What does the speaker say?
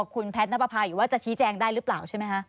คุณแพทต์นัพภาว์อยู่ว่าจะชี้แจงได้หรือเปล่า